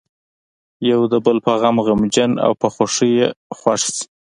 یو د بل په غم غمجن او په خوښۍ یې خوښ شي.